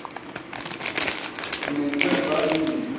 Me ñgwelba i mbiñ.